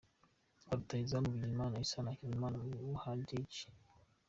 Ba Rutahizamu:Bigirimana Issa na Hakizimana Muhadjiri.